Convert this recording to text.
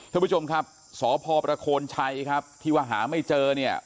ทุกผู้ชมครับสพพระโคนชัยนะครับที่หวะหาไม่เจอ